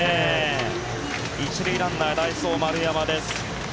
１塁ランナー代走、丸山です。